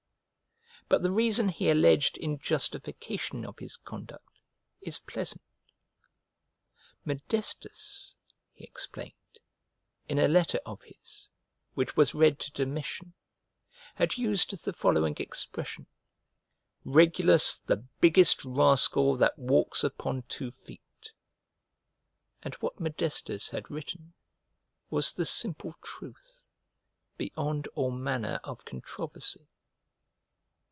But the reason he alleged in justification of his conduct is pleasant. Modestus, he explained, in a letter of his, which was read to Domitian, had used the following expression, "Regulus, the biggest rascal that walks upon two feet:" and what Modestus had written was the simple truth, beyond all manner of controversy.